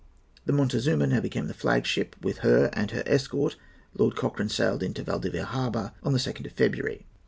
The Montezuma now became the flag ship, and with her and her consort Lord Cochrane sailed into Valdivia Harbour on the 2nd of February.